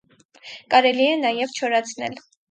Կարելի է նաև չորացնել։